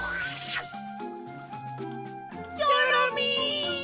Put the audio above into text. チョロミー！